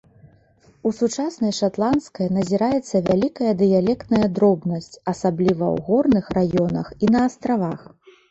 У сучаснай шатландскай назіраецца вялікая дыялектная дробнасць, асабліва ў горных раёнах і на астравах.